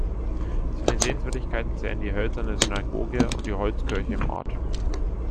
Zu den Sehenswürdigkeiten zählen die hölzerne Synagoge und die Holzkirche im Ort.